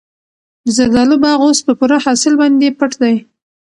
د زردالو باغ اوس په پوره حاصل باندې پټ دی.